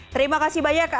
terima kasih banyak kak